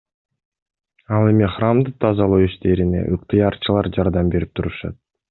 Ал эми храмды тазалоо иштерине ыктыярчылар жардам берип турушат.